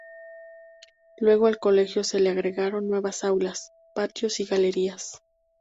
Luego al colegio se le agregaron nuevas aulas, patios y galerías.